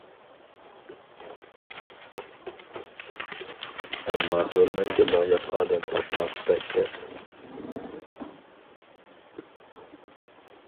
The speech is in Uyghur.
ئەمما ھۆرمەتكە لايىق ئادەم تاپماق بەك تەس.